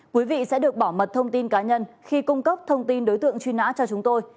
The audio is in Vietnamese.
quý vị sẽ được bảo mật thông tin cá nhân khi cung cấp thông tin đối tượng truy nã cho chúng tôi